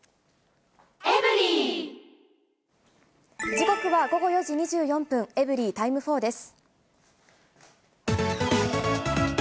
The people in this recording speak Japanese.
時刻は午後４時２４分、エブリィタイム４です。